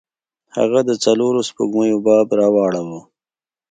هغه د څلورو سپوږمیو باب راواړوه.